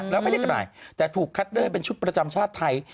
แล้วไม่ได้จำหน่ายแต่ถูกคัดเลือกให้เป็นชุดประจำชาติไทย